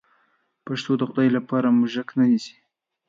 پشو د خدای لپاره موږک نه نیسي.